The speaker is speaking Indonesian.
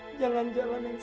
dia jangan lupa tuh